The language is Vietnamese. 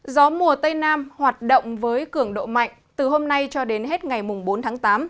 gió mùa tây nam hoạt động với cường độ mạnh từ hôm nay cho đến hết ngày bốn tháng tám